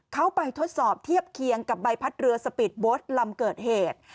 เข้าไปทดสอบเทียบเคียงกับใบพัดเรือสปีดโบสต์ลำเกิดเหตุ